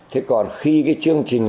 thế còn khi cái chương trình